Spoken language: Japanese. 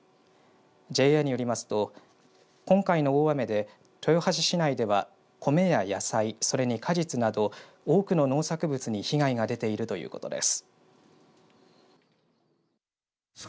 ＪＡによりますと今回の大雨で豊橋市内では米や野菜それに果実など多くの農作物に被害が出ているということです。